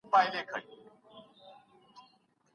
هغه وخت چي دی د مرګ په رنځ رنځور سو